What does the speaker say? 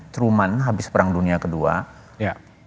truman habis perang dunia ii